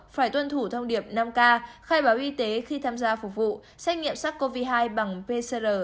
phải tuân thủ thông điệp năm k khai báo y tế khi tham gia phục vụ xét nghiệm sars cov hai bằng pcr